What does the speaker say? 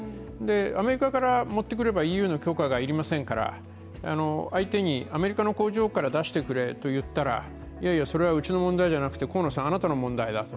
アメリカから持ってくればＥＵの許可が要りませんから相手に、アメリカの工場から出してくれと言ったらいやいや、それはうちの問題ではなくて河野さん、あなたの問題だと。